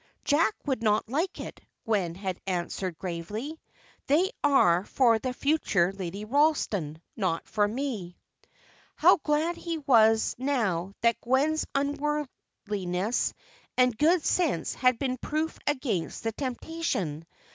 "Jack would not like it," Gwen had answered, gravely. "They are for the future Lady Ralston, not for me." How glad he was now that Gwen's unworldliness and good sense had been proof against the temptation!